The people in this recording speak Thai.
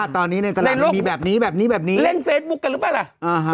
ก็เล่นเฟซบุ๊คกันหรือเปล่าล่ะ